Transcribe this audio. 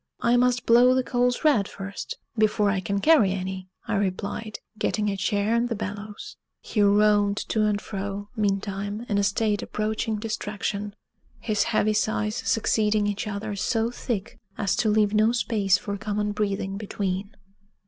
"I must blow the coals red first, before I can carry any," I replied, getting a chair and the bellows. He roamed to and fro, meantime, in a state approaching distraction, his heavy sighs succeeding each other so thick as to leave no space for common breathing between.